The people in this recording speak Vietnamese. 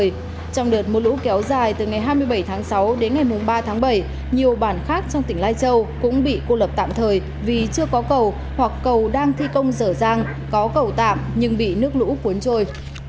trong đợt mưa lũ kéo dài từ ngày hai mươi bảy tháng sáu đến ngày ba tháng bảy nhiều bản khác trong tỉnh lai châu cũng bị cô lập tạm thời vì chưa có cầu hoặc cầu đang thi công dở dang có cầu tạm nhưng bị nước lũ cuốn trôi